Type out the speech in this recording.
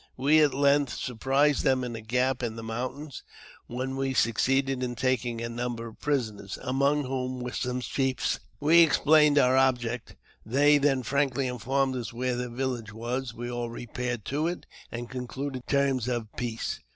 We at length surprised them in a JAMES P. BEGKWOUBTH. 409 gap in the mountain, when we succeeded in taking a number of prisoners, among whom were some chiefs. We explained our object ; they then frankly informed us where their village was; we all repaired to it, and concluded terms of peace.